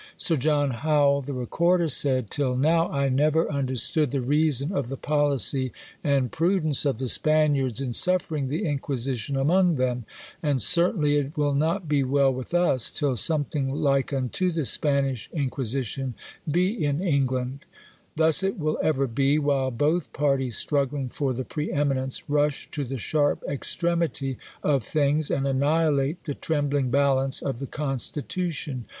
Sir John Howell, the recorder, said, "Till now I never understood the reason of the policy and prudence of the Spaniards in suffering the Inquisition among them; and certainly it will not be well with us, till something like unto the Spanish Inquisition be in England." Thus it will ever be, while both parties struggling for the pre eminence rush to the sharp extremity of things, and annihilate the trembling balance of the constitution.